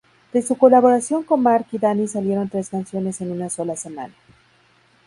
De su colaboración con Mark y Danny salieron tres canciones en una sola semana.